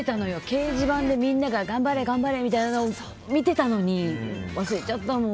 掲示板でみんなが頑張れ、頑張れって見てたのに忘れちゃったの。